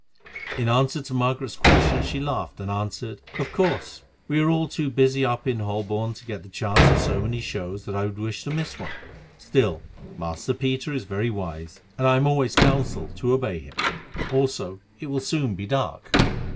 In answer to Margaret's question she laughed and answered: "Of course. We are all too busy up in Holborn to get the chance of so many shows that I should wish to miss one. Still, Master Peter is very wise, and I am always counselled to obey him. Also, it will soon be dark."